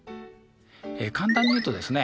簡単に言うとですね